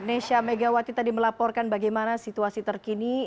nesha megawati tadi melaporkan bagaimana situasi terkini